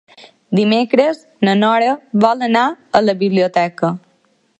Dimecres na Nora vol anar a la biblioteca.